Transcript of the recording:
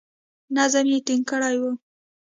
نظم یې ټینګ کړی وو.